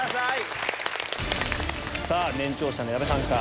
さぁ年長者の矢部さんか？